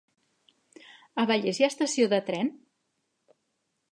A Vallés hi ha estació de tren?